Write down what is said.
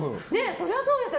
そりゃそうですよ